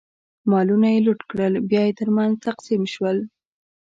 مالونه یې لوټ کړل، بیا یې ترمنځ تقسیم شول.